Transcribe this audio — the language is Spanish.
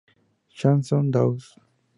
Chanson Douce.